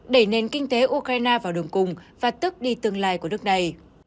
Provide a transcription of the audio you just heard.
đẩy nền kinh tế ukraine vào đồng cùng và tức đi tương lai của nước này